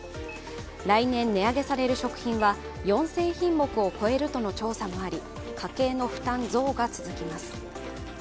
来年、値上げされる食品は４０００品目を超えるとの調査もあり家計の負担増が続きます。